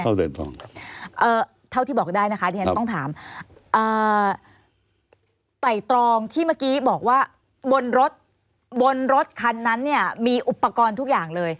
เท่าที่บอกได้นะคะที่ฉันต้องถามไต่ตรองที่เมื่อกี้บอกว่าบนรถบนรถคันนั้นเนี่ยมีอุปกรณ์ทุกอย่างเลย